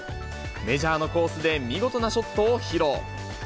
メジャーのコースで見事なショットを披露。